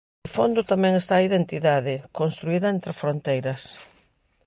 De fondo tamén está a identidade, construída entre fronteiras.